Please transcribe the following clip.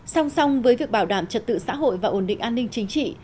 xong xong với việc bảo đảm trật tự xã hội và ổn định an ninh chính trị